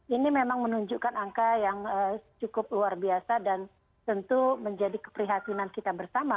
ini memang menunjukkan angka yang cukup luar biasa dan tentu menjadi keprihatinan kita bersama